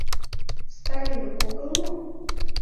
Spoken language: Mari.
Сталинак огыл мо?